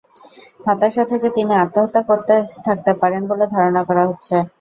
হতাশা থেকে তিনি আত্মহত্যা করে থাকতে পারেন বলে ধারণা করা হচ্ছে।